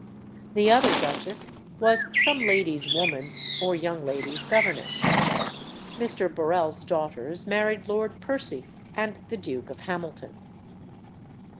The other duchess was some lady's woman, or young lady's governess." Mr. Burrell's daughters married Lord Percy and the Duke of Hamilton.